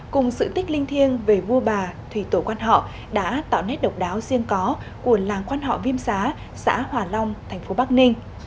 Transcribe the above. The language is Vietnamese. cùng sự tích linh thiêng về vua bà thủy tổ quan họ đã tạo nét độc đáo riêng có của làng quan họ vim xá xã hòa long thành phố bắc ninh